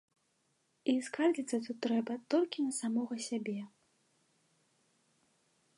І скардзіцца тут трэба толькі на самога сябе.